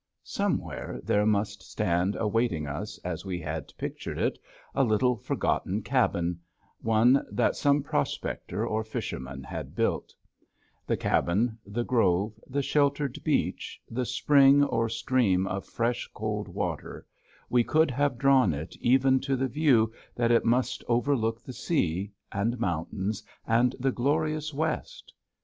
Somewhere there must stand awaiting us, as we had pictured it, a little forgotten cabin, one that some prospector or fisherman had built; the cabin, the grove, the sheltered beach, the spring or stream of fresh, cold water, we could have drawn it even to the view that it must overlook, the sea, and mountains, and the glorious West.